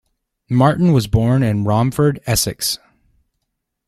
Martin was born in Romford, Essex.